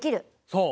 そう。